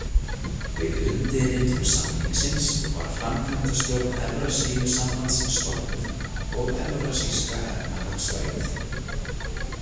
Við undirritun samningsins var Framkvæmdastjórn Evrasíusambandsins stofnuð, og Evrasíska efnahagsvæðið.